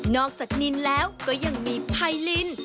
จากนินแล้วก็ยังมีไพริน